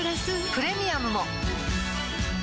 プレミアムも